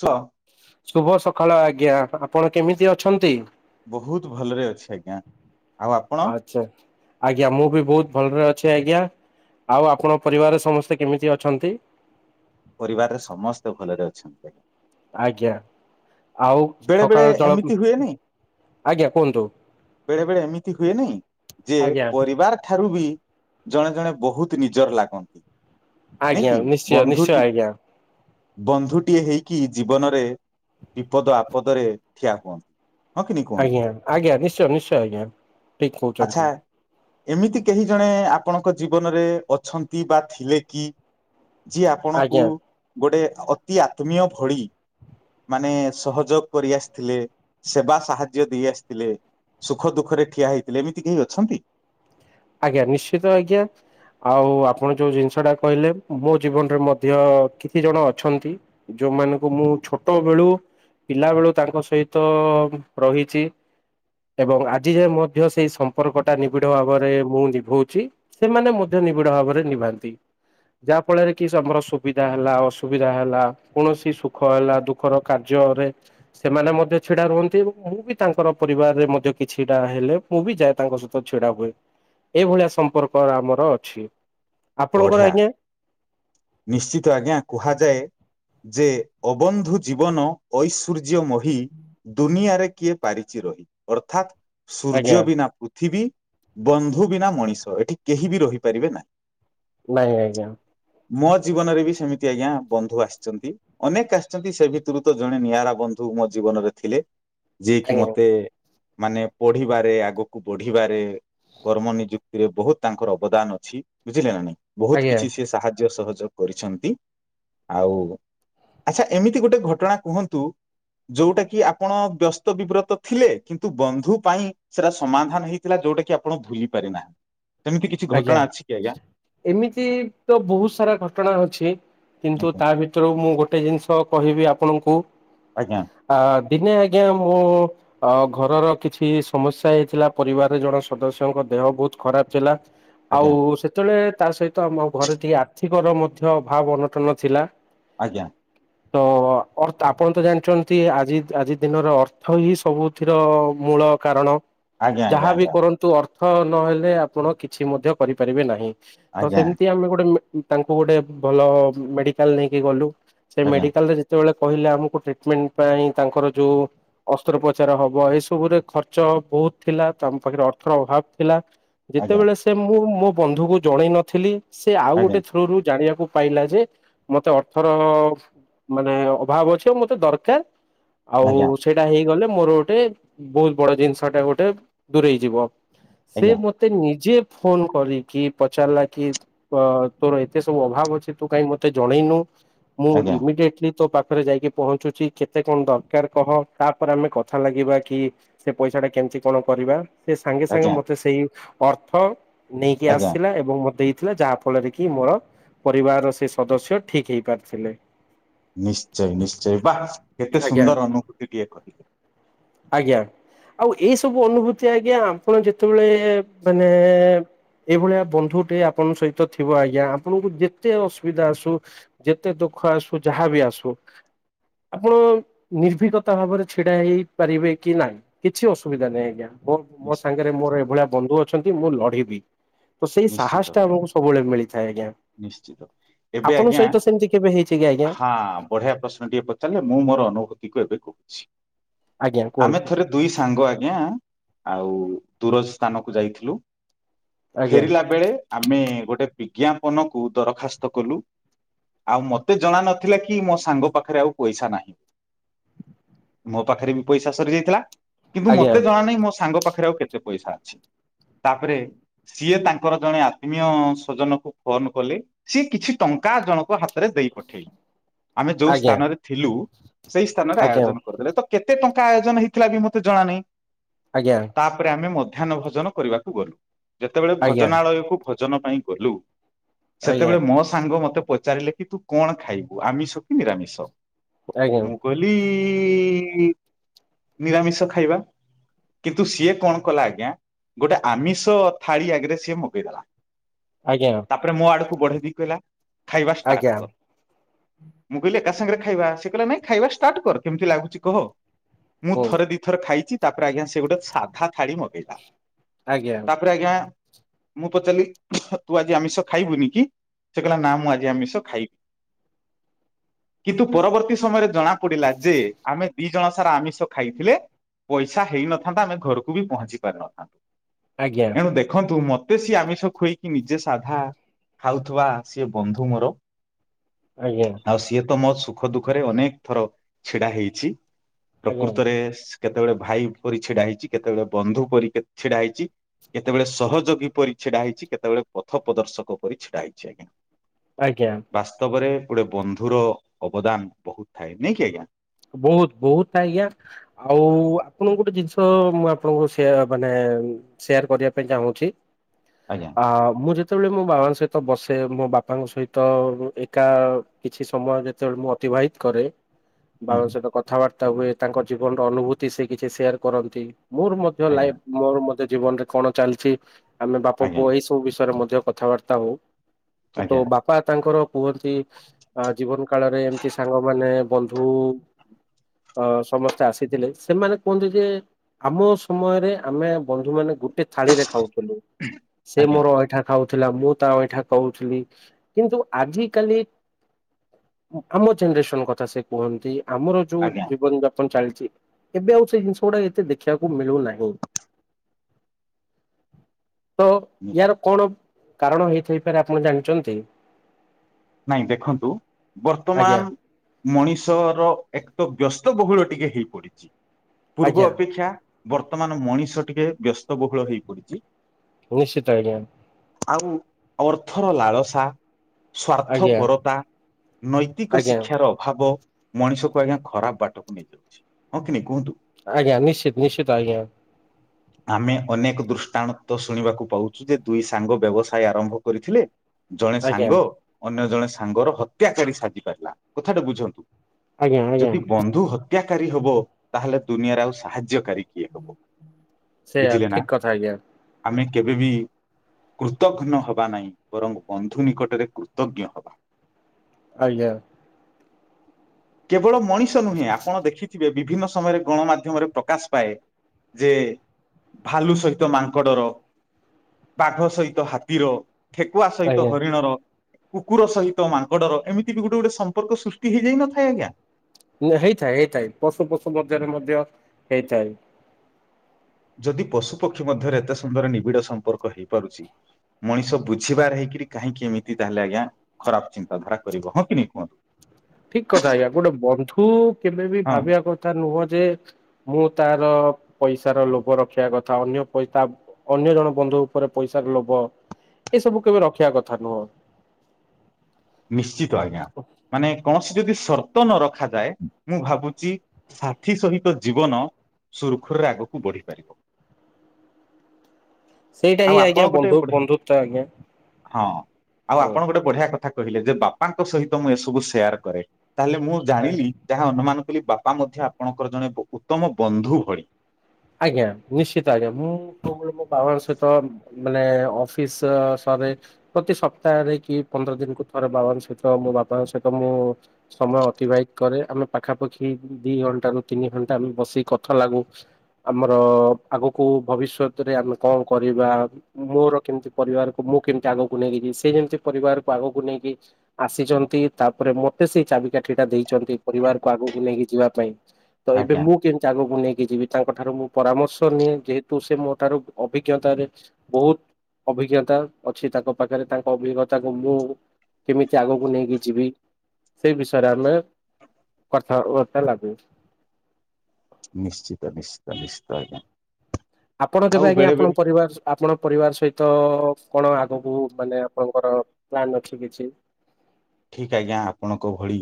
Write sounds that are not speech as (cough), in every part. ସଅ ଶୁଭ ସକାଳ ଆଜ୍ଞା। ଆପଣ କେମିତି ଅଛନ୍ତି? ବହୁତ ଭଲରେ ଅଛି ଆଜ୍ଞା। ଆଉ ଆପଣ? ଆଚ୍ଛା ଆଜ୍ଞା ମୁଁ ବି ବହୁତ ଭଲରେ ଅଛି ଆଜ୍ଞା। ଆଉ ଆପଣ ପରିବାରରେ ସମସ୍ତେ କେମିତି ଅଛନ୍ତି? ପରିବାରରେ ସମସ୍ତେ ଭଲରେ ଅଛନ୍ତି ଆଜ୍ଞା। ଆଜ୍ଞା ଆଉ ବେଳେ ବେଳେ ସକାଳ ଜଳ ଏମିତି ହୁଏନି। ଆଜ୍ଞା କୁହନ୍ତୁ? ବେଳେ ବେଳେ ଏମିତି ହୁଏନିଁ ଯେ ଆଜ୍ଞା ପରିବାର ଠାରୁ ବି ଜଣେ ଜଣେ ବହୁତ ନିଜର ଲାଗନ୍ତି। ନାଇଁ ଆଜ୍ଞା କିି ନିଶ୍ଚୟ ନିଶ୍ଚୟ ବନ୍ଧୁଟି ଆଜ୍ଞା ବନ୍ଧୁଟିଏ ହେଇକି ଜୀବନରେ ବିପଦ ଆପଦରେ ଠିଆ ହୁଅନ୍ତି। ହଁ କି ନାଇଁ କୁହନ୍ତୁ ଆଜ୍ଞା ଆଜ୍ଞା ନିଶ୍ଚୟ ନିଶ୍ଚୟ ଆଜ୍ଞା ଠିକ ଆଚ୍ଛା କହୁଛନ୍ତି। ଏମିତି କେହି ଜଣେ ଆପଣଙ୍କ ଜୀବନରେ ଅଛନ୍ତି ବା ଥିଲେ କି? ଯିଏ ଆପଣଙ୍କୁ ଆଜ୍ଞା ଗୋଟେ ଅତି ଆତ୍ମୀୟ ଭଳି ମାନେ ସହଯୋଗ କରି ଆସିଥିଲେ ସେବା ସାହାଯ୍ୟ ଦେଇ ଆସିଥିଲେ। ସୁଖ ଦୁଃଖରେ ଠିଆ ହେଇଥିଲେ ଏମିତି କେହି ଅଛନ୍ତି? ଆଜ୍ଞା ନିଶ୍ଚିତ ଆଜ୍ଞା। ଆଉ ଆପଣ ଯୋଉ ଜିନିଷ ଟା କହିଲେ ମୋ ଜୀବନରେ ମଧ୍ୟ କିଛି ଜଣ ଅଛନ୍ତି। ଯୋଉମାନଙ୍କୁ ମୁଁ ଛୋଟ ବେଳୁ। ପିଲା ବେଳୁ ତାଙ୍କ ସହିତ ରହିଛି। ଏବଂ ଆଜି ଯ ମଧ୍ୟ ସେଇ ସମ୍ପର୍କଟା ନିବିଡ଼ ଭାବରେ ମୁଁ ନିଭଉଛି ସେମାନେ ମଧ୍ୟ ନିବିଡ ଭାବରେ ନିଭାନ୍ତି ଯାହା ଫଳରେ କି ଆମର ସୁବିଧା ହେଲା ଅସୁବିଧା ହେଲା କୌଣସି ସୁଖ ହେଲା ଦୁ କ ର କାର୍ଯ୍ୟରେ ସେମାନେ ମଧ୍ୟ ଛିଡ଼ା ରୁହନ୍ତି ଏବଂ ମୁଁ ବି ତାଙ୍କର ପରିବାରରେ ମଧ୍ୟ କିଛିଟା ହେଲେ ମୁଁ ବି ଯାଏ ତାଙ୍କ ସହିତ ଛିଡା ହୁଏ। ଏଇଭଳିଆ ସମ୍ପର୍କ ଆମର ଅଛି। ଆପଣଙ୍କର ପଢିଆ ଆଜ୍ଞା ନିଶ୍ଚିତ ଆଜ୍ଞା କୁହାଯାଏ ଯେ ଅବନ୍ଧୁ ଜୀବନ ଐଶ୍ୱର୍ଯ୍ୟ ମହି ଦୁନିଆରେ କିଏ ପାରିଛି ରହି ଅର୍ଥାତ୍ ଆଜ୍ଞା ସୂର୍ଯ୍ୟ ବିନା ପୃଥିବୀ ବନ୍ଧୁ ବିନା ମଣିଷ ଏଠି କେହି ବି ରହିପାରିବେ ନାହିଁ। ନାଇଁ ଆଜ୍ଞା ମୋ ଜୀବନରେ ବି ସେମିତି ଆଜ୍ଞା ବନ୍ଧୁ ଆସିଛନ୍ତି। ଅନେକ ଆସିଛନ୍ତି ସେ ଭିତରୁ ତ ଜଣେ ନିଆରା ବନ୍ଧୁ ମୋ ଜୀବନରେ ଥିଲେ ଯିଏକି ଆଜ୍ଞା ମତେ ମାନେ ପଢିବାରେ ଆଗକୁ ବଢିବାରେ କର୍ମ ନିଯୁକ୍ତି ରେ ବହୁତ ତାଙ୍କର ଅବଦାନ ଅଛି ବୁଝିଲେ ନା ବହୁତ ଆଜ୍ଞା କିଛି ସେ ସାହା ଜ୍ୟ ସହଯୋଗ କରିଛନ୍ତି ଆଉ ଆଚ୍ଛା ଏମିତି ଗୋଟେ ଘଟଣା କୁହନ୍ତୁ ଯୋଉଟା କି ଆପଣ ବ୍ୟସ୍ତ ବିବ୍ରତ ଥିଲେ। କିନ୍ତୁ ବନ୍ଧୁ ପାଇଁ ସେଇଟା ସମାଧାନ ହେଇଥିଲା ଯୋଉଟା କି ଆପଣ ଭୁଲି ପାରିନାହାଁନ୍ତି। ଏମିତି କିଛି ଆଜ୍ଞା ଘଟଣା ଅଛି କି ଆଜ୍ଞା। ଏମିତି ତ ବହୁତ ସାରା ଘଟଣା ଅଛି କିନ୍ତୁ ତା ଭି- ତରୁ ମୁଁ ଗୋଟେ ଜିନିଷ କହିବି ଆପଣଙ୍କୁ ଆଜ୍ଞା ଆ ଦିନେ ଆଜ୍ଞା ମୁଁ ଅ ଘରର କିଛି ସମସ୍ୟା ହେଇଥିଲା ପରିବାରରେ ଜଣେ ସଦସ୍ୟଙ୍କ ଦେହ ବହୁତ ଖରାପ ଥିଲା। ଆଜ୍ଞା ଆଉ ସେତେବେଳେ ତା ସହିତ ଆମ ଘରେ ଟିକେ ଆର୍ଥିକ ର ମଧ୍ୟ ଅଭାବ ଅନଟନ ଥିଲା। ଆଜ୍ଞା ତ ଅର୍ ଆପଣ ତ ଜାଣିଛନ୍ତି ଆଜି ଆଜି ଦିନରେ ଅର୍ଥ ହିଁ ସବୁ ଥିର ମୂଳ କାରଣ ଆଜ୍ଞା ଯାହାବି ଆଜ୍ଞା କରନ୍ତୁ ଅର୍ଥ ନହେଲେ ଆପଣ କିଛି ମଧ୍ୟ କରିପାରିବେ ନାହିଁ। ତ ଆଜ୍ଞା ସେମିତି ଆମେ ଗୋଟେ ତାଙ୍କୁ ଗୋଟେ ଭଲ ମେଡିକାଲ ନେଇକି ଗଲୁ। ସେ ଆଜ୍ଞା ମେଡିକାଲରେ ଯେତେବେଳେ କହିଲେ ଆମକୁ ଟ୍ରିଟମେଣ୍ଟ ପାଇଁ ତାଙ୍କର ଯୋଉ ଅସ୍ତ୍ରୋପଚାର ହବ ଏ ସବୁରେ ଖର୍ଚ ବହୁତ୍ ଥିଲା ତ ଆମ ପାଖରେ ଅର୍ଥର ଅଭାବ ଥିଲା। ଆଜ୍ଞା ସେତେବେଳେ ସେ ମୁଁ ମୋ ବନ୍ଧୁକୁ ଜଣେଇ ନଥିଲି ସେ ଆଉ ଆଜ୍ଞା ଗୋଟେ ଛୁ ପାଖରୁ ଜାଣିବାକୁ ପାଇଲା ଯେ ମତେ ଅଠର ମାନେ ଅଭାବ ଅଛି, ଆଉ ମତେ ଦରକାର। ଆଉ ଆଜ୍ଞା ଆଜ୍ଞା ସେଇଟା ହେଇଗଲେ ମୋର ଗୋଟେ ବହୁତ ବଡ ଜିନିଷ ଟା ଗୋଟେ ଦୂରେଇଯିବ। ସେ ଆଜ୍ଞା ମତେ ନିଜେ ଫୋନ୍ କରିକି ପଚାରିଲା କି ଅ ତୋର ଏତେ ସବୁ ଅଭାବ ଅଛି ତୁ କାଇଁ ମତେ ଜଣେଇନୁ। ମୁଁ ଆଜ୍ଞା ଇମିଡିଏଟିଲି ତୋ ପାଖରେ ଯାଇକି ପହଞ୍ଚୁଚି କେତେ କଣ ଦରକାର କହ ତାପରେ ଆମେ କଥା ଲାଗିବା କି ସେ ପଇସା ଟା କେମିତି କଣ କରିବା। ସେ ସାଙ୍ଗେ ଆଜ୍ଞା ଆଜ୍ଞା ସାଙ୍ଗେ ଆଜ୍ଞା ମତେ ସେଇ ଅର୍ଥ ନେଇକି ଆଜ୍ଞା ଆସିଲା ଏବଂ ମୋତେ ଦେଇଥିଲା ଯାହା ଫ ଫଳରେ କି ମୋର ପରିବାରର ସେ ସଦସ୍ୟ ଠିକ୍ ହେଇ ପାରିଥିଲେ। ନିଶ୍ଚୟ ନିଶ୍ଚୟ ବାଃ କେତେ ଆଜ୍ଞା। ସୁନ୍ଦର ଅନୁଭୂତି ଟିଏ କହିଲେ। ଆଜ୍ଞା ଆଉ ଏଇ ସବୁ ଅନୁଭୂତି ଆଜ୍ଞା ଆପଣ ଯେତେବେଳେ ମାନେ ଏଇଭଳିଆ ବନ୍ଧୁ ଟେ ଆପଣଙ୍କ ସହିତ ଥିବ ଆଜ୍ଞା ଆପଣଙ୍କୁ ଯେତେ ଅସୁବିଧା ଆସୁ ଯେତେ ଦୁଃଖ ଆସୁ ଯାହାବି ଆସୁ ଆପଣ ନିର୍ଭୀିକତା ଭାବରେ ଛିଡା ହେଇପାରିବେ କି ନାହିଁ। କିଛି ଅସୁବିଧା ନାହିଁ ଆଜ୍ଞା। ମୋ ମୋ ନିଶ୍- ସାଙ୍ଗରେ ମୋର ଏଇଭଳିଆ ବନ୍ଧୁ ଅଛନ୍ତି ମୁଁ ଲଢିବି ତ ସେଇ ନିଶ୍ଚିତ ସାହସ ଟା ଏବଂ ସବୁବେଳେ ମିଳିଥାଏ ଆଜ୍ଞା। ନିଶ୍ଚିତ ଏବେ ଆପଣଙ୍କ ଆଜ୍ଞା ସହିତ ସେମିତି କେବେ ହେଇଛି କି ଆଜ୍ଞା? ହଁ ମୁଁ ବଢିଆ ପ୍ରଶ୍ନଟିିକେ ପଚାରିଲେ ମୁଁ ମୋର ଅନୁଭୂତିକୁ ଏବେ କହୁଛି ଆଜ୍ଞା ଆମେ କୁହନ୍ତୁ ଥରେ ଦୁଇ ସାଙ୍ଗ ଆଜ୍ଞା ଆଉ ଦୂର ସ୍ଥାନକୁ ଯାଇଥିଲୁ। ଆଜ୍ଞା ଫେରିଲା ବେଳେ ଆମେ ଗୋଟେ ବିଜ୍ଞାପନ କୁ ଦରଖାସ୍ତ କଲୁ। ଆଉ ମତେ ଜଣା ନଥିଲା କି ମୋ ସାଙ୍ଗ ପାଖରେ ଆଉ ପଇସା ନାହିଁ। ମୋ ପାଖରେ ବି ପଇସା ସରି ଯାଇଥିଲା କିନ୍ତୁ ଆଜ୍ଞା ମତେ ଜଣା ନାହିଁ ମୋ ସାଙ୍ଗ ପାଖରେ ଆଉ କେତେ କେତେ ପଇସା ଅଛି। ତାପରେ ସିଏ ତାଙ୍କର ଜଣେ ଆତ୍ମୀୟ ସଜନ ଫୋନ କଲି ସିଏ କିଛି ଟଙ୍କା ଜଣଙ୍କ ହାତରେ ଦେଇ ପଠେଇଲେ ଆମେ ଯୋଉ ଆଜ୍ଞା ସ୍ଥାନରେ ଥିଲୁ। ସେଇ ସ୍ଥାନରେ ଆଜ୍ଞା ଆୟୋଜନ କରିଦେଲେ ତ କେତେ ଟଙ୍କା ଆୟୋଜନ ହେଇଥିଲା ବି ମତେ ଜଣା ନାହିଁ। ଆଜ୍ଞା। ତାପରେ ଆମେ ମଧ୍ୟାହ୍ନ ଭୋଜନ କରିବାକୁ ଗଲୁ। ଯେତେବେଳେ ଆଜ୍ଞା ଭଜନାଳୟକୁ ଭୋଜନ ପାଇଁ ଗଲୁ ସେତେବେଳେ ମୋ ସାଙ୍ଗ ମତେ ପଚାରିଲେ କି ତୁ କଣ ଖାଇବୁ ଆମିଷ କି ନିରାମିଷ ଆଜ୍ଞା। ମୁଁ କହିଲି ନିରାମିଷ ଖାଇବା। କିନ୍ତୁ ସିଏ କଣ କଲା ଆଜ୍ଞା ଗୋଟେ ଆମିଷ ଥାଳି ଆଗରେ ସିଏ ମଗେଇଦେଲା ଆଜ୍ଞା। ତାପରେ ମୋ ଆଡକୁ ବଢେଇ ଦେଇ କହିଲା ଖାଇବା ଆଜ୍ଞା ଷ୍ଟାର୍ଟ କର। ମୁଁ କହିଲି ଏକା ସାଙ୍ଗରେ ଖାଇବା ସେ କହିଲା ନାଇଁ ଖାଇବା ଷ୍ଟାର୍ଟ କର କେମିତି ଲାଗୁଛି କହ। ମୁଁ ହୁଁ ଥରେ ଦିଥର ଖାଇଚି ତାପରେ ଆଜ୍ଞା ସେ ଗୋଟେ ସାଧା ଥାାଳି ମଗେଇ ଆଜ୍ଞା। ତାପରେ ଆଜ୍ଞା ମୁଁ ପଚାରିଲି ତୁ ଆଜି ଆମିଷ ଖାଇବୁନିକି ସେ କହିଲା ନା ମୁଁ ଆଜି ଆମିଷ ଖାଇବି। କିନ୍ତୁ ପରବର୍ତ୍ତୀ ସମୟରେ ଜଣା ପଡିଲା ଯେ ଆମେ ଦି ଦି ଜଣ ସାରା ଆମିଷ ଖାଇଥିଲେ ପଇସା ହେଇନଥାନ୍ତା ଆମେ ଘରକୁ ବି ପହଞ୍ଚି ପାରିନଥାନ୍ତୁ। ଆଜ୍ଞା ଏଣୁ ଦେଖନ୍ତୁ ମତେ ସିଏ ଆମିଷ ଖୁଏଇକି ନିଜେ ସାଧା ଖାଉଥିବା ସିଏ ବନ୍ଧୁ ମୋର। ଆଜ୍ଞା। ଆଉ ସିଏ ତ ମୋ ସୁଖ ଦୁଃଖରେ ଅନେକ ଥର ଛିଡା ହେଇଛି ଆଜ୍ଞା ପ୍ରକୃତରେ ସେ କେତେବେଳେ ଭାଇ ପରି ଛିଡା ହେଇଛି କେତେବେଳେ ବନ୍ଧୁ ପରି ଛିଡା ହେଇଛି। କେତେବେଳେ ସହଯୋଗୀ ପରି ଛିଡା ହେଇଛି କେତେବେଳେ ପଥ ପ୍ରଦର୍ଶକ ପରି ଛିଡା ହେଇଛି ଆଜ୍ଞା। ଆଜ୍ଞା। ବାସ୍ତବରେ ଗୋଟେ ବନ୍ଧୁର ଅବଦାନ ବହୁତ ଥାଏ ନୁହେଁକି ଆଜ୍ଞା। ବହୁତ ବହୁତ ଆଜ୍ଞା ଆଉ ଆପଣଙ୍କ ଗୋଟେ ଜିନିଷ ମୁଁ ଆପଣଙ୍କ ସେଇଆ ମାନେ ସେୟାର କରିବା ପାଇଁ ଚାହୁଁଛି। ଆଜ୍ଞା। ଆ ମୁଁ ଯେତେବେଳେ ମୋ ବାବାଙ୍କ ସହିତ ବସେ ମୋ ବାପାଙ୍କ ସହିତ ଏକା କିଛି ସମୟ ଯେତେବେଳେ ମୁଁ ଅତିବାହିତ କରେ ହୁଁ ବାବାଙ୍କ ସହିତ କଥାବାର୍ତ୍ତା ହୁଏ ତାଙ୍କ ଜୀବନର ଅନୁଭୂତି ସେ କିଛି ସେୟାର କରନ୍ତି ମୋର ମଧ୍ୟ ଆଜ୍ଞା ଲାଇଫ ମୋର ମଧ୍ୟ ଜୀବନରେ କଣ ଚାଲିଛି ଆମେ ବାପ ଆଜ୍ଞା ପୁଅ ଏଇ ସବୁ ବିଷୟରେ ମଧ୍ୟ କଥାବାର୍ତ୍ତା ହଉ। ତ ଆଜ୍ଞା ବାପା ତାଙ୍କର କୁହନ୍ତି ଜୀବନ କାଳରେ ଏମତି ସାଙ୍ଗମାନେ ବନ୍ଧୁ ବନ୍ଧୁ ଅ ସମସ୍ତେ ଆସିଥିଲେ ସେମାନେ କୁହନ୍ତି ଯେ ଆମ ସମୟରେ ଆମେ ବନ୍ଧୁ ମାନେ ଗୋଟେ ଥାଳିରେ ଖାଉଥିଲୁ ସେ ଆଜ୍ଞା ମୋର ଅଇଁଠା ଖାଉଥିଲା ମୁଁ ତା ଅଇଁଠା କହୁଥିଲି କିନ୍ତୁ ଆଜିିକାଲି ଆମ ଜେନେରେସନ କଥା ସେ କୁହନ୍ତି ଆମର ଯୋଉ ଆଜ୍ଞା ଜୀବନ ଯାପନ ଚାଲିଛି ଏବେ ଆଉ ସେ ଜିନିଷ ଗୁଡାକ ଏତେ ଦେଖିବାକୁ ମିଳୁନାହିଁ। (inaudible) ତ ହୁଁ। ୟାର କଣ କାରଣ ହେଇଥାଇ ପାରେ ଆପଣ ଜାଣିଛନ୍ତି? ନାଇଁ ଦେଖନ୍ତୁ ଆଜ୍ଞା ବର୍ତ୍ତମାନ ମଣିଷର ଏକ ତ ବ୍ୟସ୍ତ ବହୁଳ ଟିକେ ହେଇପଡିଛି ପୂର୍ବ ଆଜ୍ଞା ଅପେକ୍ଷା ବର୍ତ୍ତମାନ ମଣିଷ ଟିକେ ବ୍ୟସ୍ତ ବହୁଳ ହେଇ ପଡିଛି। ନିଶ୍ଚିତ ଆଜ୍ଞା। ଆଉ ଅର୍ଥର ଲାଳସା ସ୍ୱାର୍ଥ ଆଜ୍ଞା ପରତା ନୈତିକ ଆଜ୍ଞା। ଶିକ୍ଷାର ଭାବ ମଣିଷକୁ ଆଜ୍ଞା ଖରାପ ବାଟକୁ ନେଇଯାଉଛି ହଁ କି ନା କୁହନ୍ତୁ? ଆଜ୍ଞା ନିଶ୍ଚିତ ନିଶ୍ଚିତ ଆଜ୍ଞା। ଆମେ ଅନେକ ଦୃଷ୍ଟାନ୍ତ ଶୁଣିବାକୁ ପାଉଛୁ ଯେ ଦୁଇ ସାଙ୍ଗ ବ୍ୟବସାୟ ଆରମ୍ଭ କରିଥିଲେ। ଜଣେ ଆଜ୍ଞା ସାଙ୍ଗ ଅନ୍ୟ ଜଣେ ସାଙ୍ଗର ହତ୍ୟାକାରୀ ସାଜି ପାରିଲା କଥାଟା ବୁଝନ୍ତୁ। ଆଜ୍ଞା ଆଜ୍ଞା ଯଦି ବନ୍ଧୁ ହତ୍ୟାକାରୀ ହବ ତାହେଲେ ଦୁନିଆରେ ଆଉ ସାହାଯ୍ୟକାରୀ କିଏ ହବ ସେଇଆ ବୁଝିଲେ ନା ଠିକ କଥା ଆଜ୍ଞା। ଆମେ କେବେ ବିି କୃତଘ୍ନ ହବା ନାହିଁ ବରଂ ବନ୍ଧୁ ନିକଟରେ କୃ କୃତଜ୍ଞ ହେବା। ଆଜ୍ଞା। କେବଳ ମଣିଷ ନୁହେଁ ଆପଣ ଦେଖିଥିବେ ବିଭିନ୍ନ ସମୟରେ ଗଣମାଧ୍ୟମରେ ପ୍ରକାଶ ପାଏ ଯେ ଭାଲୁ ସହିତ ମାଙ୍କଡର ବାଘ ସହିତ ହାତୀର ଠେକୁଆ ସହିତ ଆଜ୍ଞା ହରିଣର କୁକୁର ସହିତ ମାଙ୍କଡ଼ର ଏମିତି ବି ଗୋଟେ ଗୋଟେ ସମ୍ପର୍କ ସୃଷ୍ଟି ହେଇଯାଇ ନଥାଏ ଆଜ୍ଞା। ହେଇଥାଏ ହେଇଥାଏ ପଶୁ ପଶୁ ମଧ୍ୟରେ ମଧ୍ୟ ହେଇଥାଏ। ଯଦି ପଶୁ ପକ୍ଷୀ ମଧ୍ୟରେ ଏତେ ସୁନ୍ଦର ନିବିଡ଼ ସମ୍ପର୍କ ହେଇପାରୁଛି ମଣିଷ ବୁଝିବାର ହେଇକି କାହିଁକି କେମିତି ତାହେଲେ ଆଜ୍ଞା। ଖରାପ ଚିନ୍ତାଧାରା କରିବ ହିଁ କି ନାଁ କୁହନ୍ତୁ? ଠିକ କଥା ଆଜ୍ଞା ଗୋଟେ ବନ୍ଧୁ କେବେ ବି ହଁ। ଭାବିବା କଥା ନୁହଁ ଯେ ମୁଁ ତାର ପଇସାର ଲୋଭ ରଖିବା କଥା ଅନ୍ୟ ପଇସା ରେ ଅନ୍ୟ ଜଣ ବନ୍ଧୁ ଉପରେ ପଇସାର ଲୋଭ ଏସବୁ କେବେ ରଖିବା କଥା ନୁହଁ। ନିଶ୍ଚିତ ଆଜ୍ଞା ମାନେ କୌଣସି ଯଦି ସର୍ତ ନ ରଖାଯାଏ ମୁଁ ଭାବୁଛି ସାଥି ସହିତ ଜୀବନ ସୁରୁଖୁରୁରେ ଆଗକୁ ବଢି ପାରିବ। ସେଇଟା ଆଉ ହିଁ ଆଜ୍ଞା ଆପଣ ଗୋଟେ ବନ୍ଧୁ ବଢିଆ ବନ୍ଧୁତ୍ବ ଆଜ୍ଞା। ହଁ ଆଉ ଆପଣ ଗୋଟେ ବଢିଆ କଥା କହିଲେ ଯେ ବାପାଙ୍କ ସହିତ ମୁଁ ଏସବୁ ସେୟାର କରେ ତାହେଲେ ମୁଁ ଜାଣିଲି। ଯାହା ଅନୁମାନ କଲି ବାପା ମଧ୍ୟ ଆପଣଙ୍କର ଜଣେ ଉତ୍ତମ ବନ୍ଧୁ ଭଳି। ଆଜ୍ଞା ନିଶ୍ଚିତ ଆଜ୍ଞା ମୁଁ ମୋ ବାବାଙ୍କ ସହିତ ମାନେ ଅଫିସ ସରେଥ ପ୍ରତି ସପ୍ତାହରେ କି ପନ୍ଦର ଦିନକୁ ଥରେ ବାବାଙ୍କ ସହିତ ମୋ ବାପାଙ୍କ ସହିତ ମୁଁ ସମୟ ଅତିବାହିତ କରେ ଆମେ ପାଖାପାଖି ଦି ଘଣ୍ଟା ରୁ ତିନି ଘଣ୍ଟା ଆମେ ବସିିକ କଥା ଲାଗୁ। ଆମର ଆଗକୁ ଭବିଷ୍ୟତରେ ଆମେ କଣ କରିବା? ମୋର କେମିତି ପରିବାରକୁ ମୁଁ କେମିତି ଆଗକୁ ନେଇକି ଯ ସେ ଯେମିତି ପରିବାରକୁ ଆଗକୁ ନେଇକି। ଆସିଛନ୍ତି ତାପରେ ମତେ ସେଇ ଚାବିକାଠି ଟା ଦେଇଛନ୍ତି ପରିବାରକୁ ଆଗକୁ ନେଇକି ଯିବା ପାଇଁ। ତ ଏବେ ଆଜ୍ଞା ମୁଁ କେମିତି ଆଗକୁ ନେଇକି ଯିବି? ତା ଠାରୁ ମୁଁ ପରାମର୍ଶ ନିଏ ଯେହେତୁ ସେ ମୋ ଠାରୁ ଅଭିଜ୍ଞତାରେ ବହୁତ ଅଭିଜ୍ଞତା ଅଛି ତାଙ୍କ ପାଖରେ ତାଙ୍କ ଅଭିଜ୍ଞତାକୁ ମୁଁ। କେମିତି ଆଗକୁ ନେଇକି ଯିବି ସେ ବିଷୟରେ ଆମେ କଥାବବାର୍ତ୍ତା ଲାଗୁ। ନିଶ୍ଚିତ ନିଶ୍ଚିତ ନିଶ୍ଚିତ ଆଜ୍ଞା। ଆପଣ କେବେ ଆଉ ଆଜ୍ଞା ବେଳେ ଆପଣ ବେଳେ ପରିବାର ଆପଣ ପରିବାର ସହିତ କଣ ଆଗକୁ ମାନେ ଆପଣଙ୍କର ପ୍ଲାନ୍ ଅଛି କିଛି? ଠିକ ଆଜ୍ଞା ଆପଣଙ୍କ ଭଳି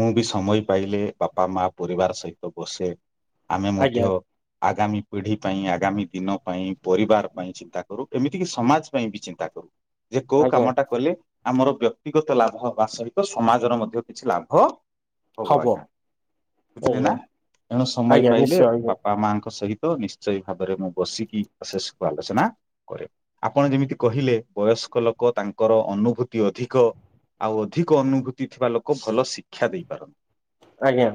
ମୁଁ ବି ସମୟ ପାଇଲେ ବାପା ମା ପରିବାର ସହିତ ବସେ। ଆମେ ଆଜ୍ଞା ମଧ୍ୟ ଆଗାମୀ ପିଢି ପାଇଁ ଆଗାମୀ ଦିନ ପାଇଁ ପରିବାର ପାଇଁ ଚିନ୍ତା କରୁ ଏମିତି କି ସମାଜ ପାଇଁ ବି ଚିନ୍ତା କରୁ। ଯେ କୋଉ ଆଜ୍ଞା କାମଟା କଲେ ଆମର ବ୍ୟକ୍ତିଗତ ଲାଭ ହବା ସହିତ ସମାଜର ମଧ୍ୟ କିଛି ଲାଭ ହବ ଆଜ୍ଞା ବୁଝିଲି ଆଜ୍ଞା ନାଁ ଏଣୁ ସମୟ ଆଜ୍ଞା ପାଇଲେ ନିଶ୍ଚୟ ଆଜ୍ଞା ବାପା ବାପା ମାଙ୍କ ସହିତ ନିଶ୍ଚୟ ଭାବରେ ମୁଁ ବସିକି ଅଶେଷକୁ ଆଲୋଚନା। କରେ ଆପଣ ଯେମିତି କହିଲେ ବୟସ୍କ ଲୋକ ତାଙ୍କର ଅନୁଭୂତି ଅଧିକ। ଆଉ ଅଧିକ ଅନୁଭୂତି ଥିବା ଲୋକ ଭଲ ଶିକ୍ଷା ଦେଇପାରନ୍ତି। ଆଜ୍ଞା।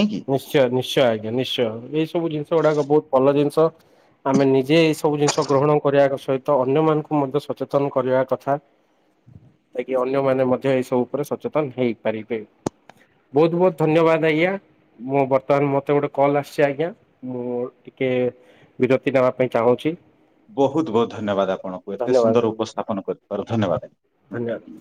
ନାହିଁ କି? ନିଶ୍ଚୟ ନିଶ୍ଚୟ ଆଜ୍ଞା ନିଶ୍ଚୟ ଏଇ ସବୁ ଜିନିଷ ଗୁଡାକ ବହୁତ ଭଲ ଜିନିଷ। ଆମେ ନିଜେ ଏଇ ସବୁ ଜିନିଷ ଗ୍ରହଣ କରିବା ସହିତ ଅନ୍ୟମାନାନଙ୍କୁ ମଧ୍ୟ ସଚେତନ କରିବା କଥା। ଯାକି ଅନ୍ୟମାନେ ମଧ୍ୟ ଏସବୁ ଉପରେ ସଚେତନ ହେଇପାରିବେ। ବହୁତ ବହୁତ ଧନ୍ୟବାଦ ଆଜ୍ଞା। ମୁଁ ବର୍ତ୍ତମାନ ମୋତେ ଗୋଟେ କଲ୍ ଆସୁଛି ଆଜ୍ଞା। ମୁଁ ଟିକେ ବିରକ୍ତି ନେବା ପାଇଁ ଚାହୁଁଛି। ବହୁତ ବହୁତ ଧନ୍ୟବାଦ ଆପଣଙ୍କୁ ଏତେ ଧନ୍ୟବାଦ ସୁନ୍ଦର ଉପସ୍ଥାପନ କରିଥିବାର ଧନ୍ୟବାଦ ଆଜ୍ଞା। ଧନ୍ୟବାଦ।